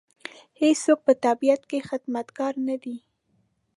هېڅوک په طبیعت کې خدمتګار نه دی.